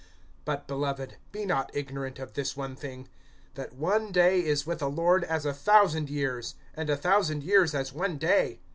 (8)But, beloved, be not ignorant of this one thing, that one day is with the Lord as a thousand years, and a thousand years as one day.